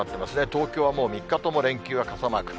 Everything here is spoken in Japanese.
東京はもう３日とも連休は傘マーク。